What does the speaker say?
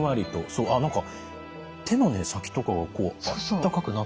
そうあっ何か手のね先とかがこうあったかくなってくる。